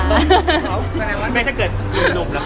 แสดงว่าถ้าเกิดหนุ่มแล้ว